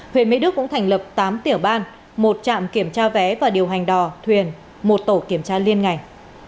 huyện mỹ đức cũng thành lập tám tiểu ban một trạm kiểm tra vé và điều hành đò thuyền một tổ kiểm tra liên ngành